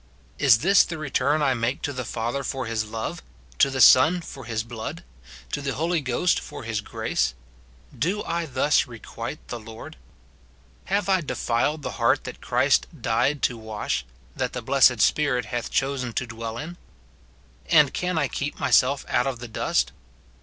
Is this the return I make to the Father for his love^ to the Son for his blood, to the Holy Ghost for his grace P Do I thus requite the Lord ? Have I defiled the heart that Christ died to wash, that the blessed Spirit hath chosen to dwell in ? And can I keep myself out of the dust